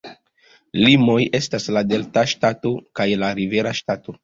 Limoj estas la Delta Ŝtato kaj la Rivera Ŝtato.